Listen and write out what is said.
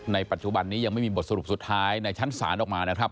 ปัจจุบันนี้ยังไม่มีบทสรุปสุดท้ายในชั้นศาลออกมานะครับ